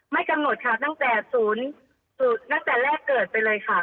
ไม่กำหนดค่ะตั้งแต่แรกเกิดไปเลยค่ะ